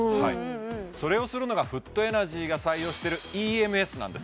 それをするのがフットエナジーが採用してるＥＭＳなんです